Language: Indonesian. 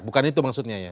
bukan itu maksudnya ya